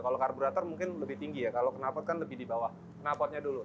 kalau karburator mungkin lebih tinggi ya kalau kenal pot kan lebih dibalik